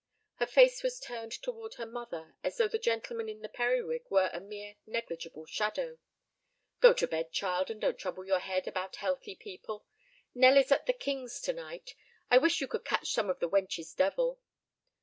Her face was turned toward her mother, as though the gentleman in the periwig were a mere negligible shadow. "Go to bed, child, and don't trouble your head about healthy people. Nell is at The King's to night. I wish you could catch some of the wench's devil."